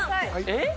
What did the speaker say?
えっ？